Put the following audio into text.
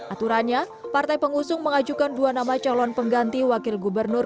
aturannya partai pengusung mengajukan dua nama calon pengganti wakil gubernur